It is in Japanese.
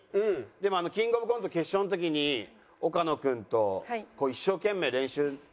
でもキングオブコント決勝の時に岡野君とこう一生懸命練習練習してて。